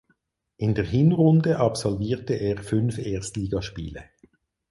In der Hinrunde absolvierte er fünf Erstligaspiele.